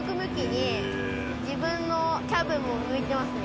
自分のキャブも向いてますね